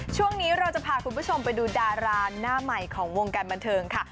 ช่วงนี้เราจะพาคุณผู้ชมไปดูดาราหน้าใหม่ของวงการบันเทิงค่ะ